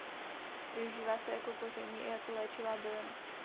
Využívá se jako koření i jako léčivá bylina.